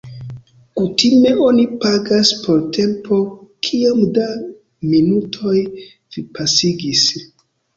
Kutime oni pagas por tempo kiom da minutoj vi pasigis.